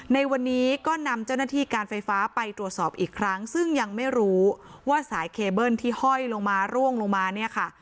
ในวันนี้ก็นำเจ้าหน้าที่การไฟฟ้าไปตรวจสอบอีกครั้งซึ่งยังไม่รู้ว่าสายเคเบิ้ลที่ห้อยลงมาร่วงลงมาเนี่ยค่ะ